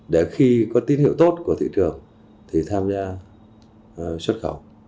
để khi có tín hiệu tốt của thị trường thì tham gia xuất khẩu